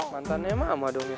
mantan emang ama dong ya